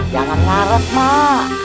jangan larut pak